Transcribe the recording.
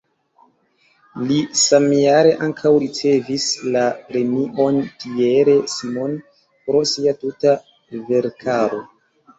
Li samjare ankaŭ ricevis la premion "Pierre Simon" pro sia tuta verkaro.